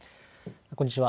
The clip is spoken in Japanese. こんにちは。